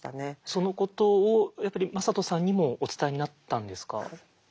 そのことをやっぱり魔裟斗さんにもお伝えになったんですか？